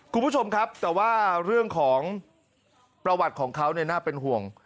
คุณผู้ชมครับแต่ว่าเรื่องของประวัติของเขาน่าเป็นห่วง